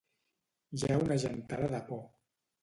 Hi ha una gentada de por.